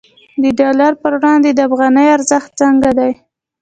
د ډالر پر وړاندې د افغانۍ ارزښت څنګه دی؟